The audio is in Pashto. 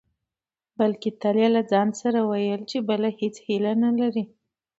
بلکې تل يې له ځانه سره ويل چې بله هېڅ هيله نه لري.